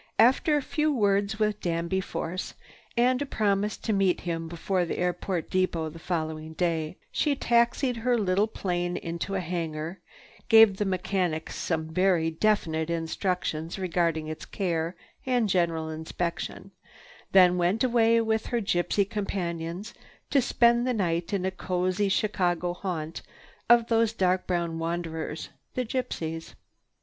After a few words with Danby Force and a promise to meet him before the airport depot on the following day, she taxied her little plane into a hangar, gave the mechanics some very definite instructions regarding its care and general inspection, then went away with her gypsy companions to spend the night in a cozy Chicago haunt of those dark brown wanderers, the gypsies.